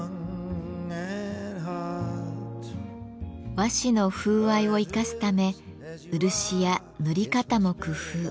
和紙の風合いを生かすため漆や塗り方も工夫。